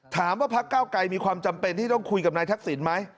พักเก้าไกรมีความจำเป็นที่ต้องคุยกับนายทักษิณไหม